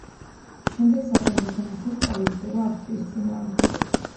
შემდეგ საფრანგეთთან ერთად კვლავ იბრძოდა ავსტრიის წინააღმდეგ.